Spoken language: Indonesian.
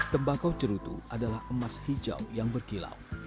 tembakau cerutu adalah emas hijau yang berkilau